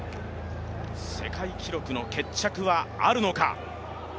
世界記録の決着はあるのか。